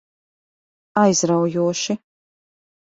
Aizraujoši.